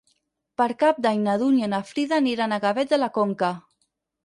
Per Cap d'Any na Dúnia i na Frida aniran a Gavet de la Conca.